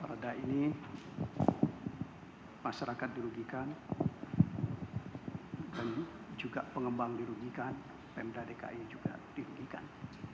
perda ini masyarakat dirugikan dan juga pengembang dirugikan pemda dki juga dirugikan